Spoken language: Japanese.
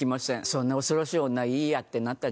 そんな恐ろしい女いいやってなったんじゃない？